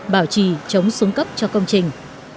bảo trì chống xuống cấp cho công trình